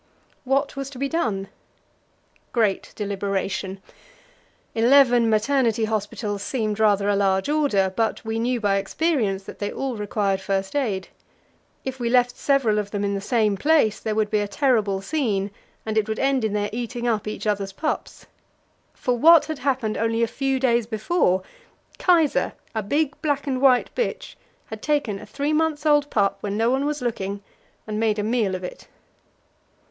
What was to be done? Great deliberation. Eleven maternity hospitals seemed rather a large order, but we knew by experience that they all required first aid. If we left several of them in the same place there would be a terrible scene, and it would end in their eating up each other's pups. For what had happened only a few days before? Kaisa, a big black and white bitch, had taken a three months old pup when no one was looking, and made a meal off it.